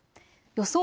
予想